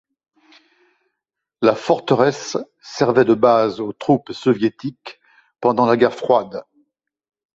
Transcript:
La forteresse servait de base aux troupes soviétiques, pendant la guerre froide.